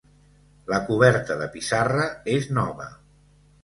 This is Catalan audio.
La coberta de pissarra és nova.